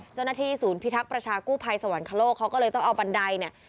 เจ้าหน้าที่ศูนย์พิทักษ์ประชากู้ภัยสวรรคโลกเขาก็เลยต้องเอาบันไดเนี่ย